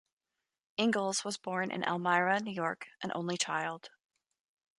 Ingalls was born in Elmira, New York, an only child.